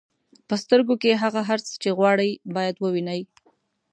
په سترګو کې هغه هر څه چې غواړئ باید ووینئ.